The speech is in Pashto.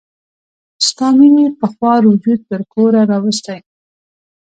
ستا مینې په خوار وجود تر کوره راوستي.